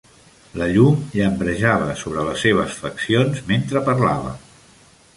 La llum llambrejava sobre les seves faccions mentre parlava.